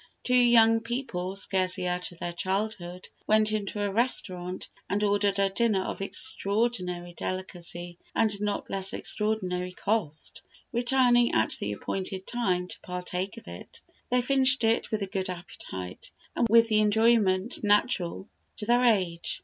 Two young people, scarcely out of their childhood, went into a restaurant and ordered a dinner of extraordinary delicacy and not less extraordinary cost, returning at the appointed time to partake of it. They finished it with a good appetite, and with the enjoyment natural to their age.